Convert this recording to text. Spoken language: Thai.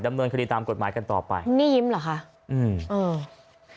ดำเนินคดีตามกฎหมายกันต่อไปนี่ยิ้มเหรอคะอืมเออ